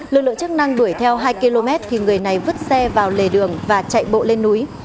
lực lượng chức năng đuổi theo hai km thì người này vứt xe vào lề đường và chạy bộ lên núi